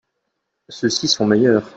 Ceux-ci sont meilleurs.